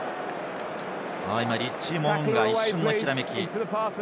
リッチー・モウンガ、一瞬のひらめき。